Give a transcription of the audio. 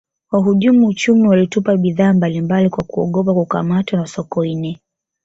wahujumu uchumi walitupa bidhaa mbali mbali kwa kuogopa kukamatwa na sokoine